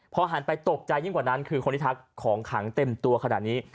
พอหันไปตกใจยิ่งกว่านั้นคือคนที่ทักของขังเต็มตัวขนาดนี้